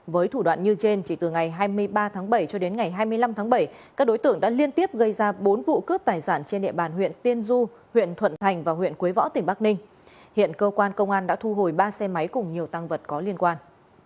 với thủ đoạn như trên chỉ từ ngày hai mươi ba tháng bảy cho đến ngày hai mươi năm tháng bảy các đối tượng đã liên tiếp gây ra bốn vụ cướp tài sản trên địa bàn huyện tiên du huyện thuận thành và huyện quế võ tỉnh bắc ninh hiện cơ quan công an đã thu hồi ba xe máy cùng nhiều tăng vật có liên quan